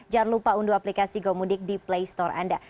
jangan lupa unduh aplikasi gomudik di playstore anda